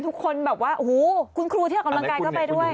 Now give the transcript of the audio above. ทุกคนแบบว่าโอ้โหคุณครูที่ออกกำลังกายก็ไปด้วย